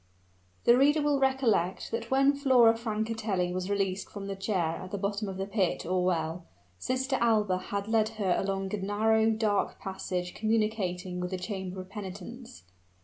The reader will recollect that when Flora Francatelli was released from the chair at the bottom of the pit or well, Sister Alba had led her along a narrow, dark passage communicating with the chamber of penitence.